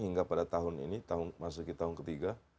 hingga pada tahun ini masuk ke tahun ketiga